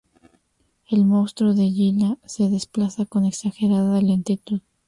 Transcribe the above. El monstruo de Gila se desplaza con exagerada lentitud.